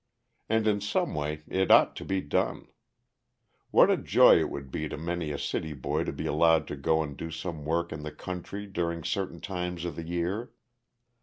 And in some way it ought to be done. What a joy it would be to many a city boy to be allowed to go and do some work in the country during certain times in the year!